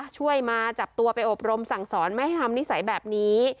ช่วยมาจับตัวไปอบรมสั่งสอนไม่ให้ทำนิสัยแบบนี้